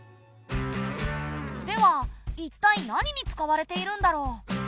ではいったい何に使われているんだろう？